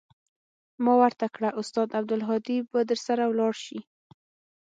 ما ورته كړه استاده عبدالهادي به درسره ولاړ سي.